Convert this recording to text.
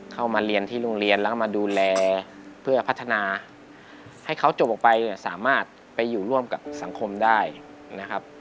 เข้ามาเรียนที่โรงเรียนแล้วก็มาดูแลเพื่อพัฒนาให้เขาจบออกไปเนี่ยสามารถไปอยู่ร่วมกับสังคมได้นะครับ